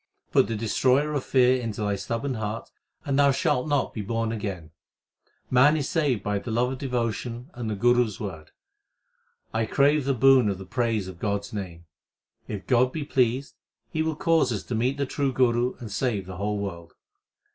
Put the Destroyer of fear into thy stubborn heart, and thou shalt not be born again. Man is saved by love of devotion and the Guru s word. I crave the boon of the praise of God s name. If God be pleased, He will cause us to meet the true Guru and save the whole world.